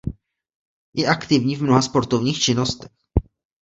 Je aktivní v mnoha sportovních činnostech.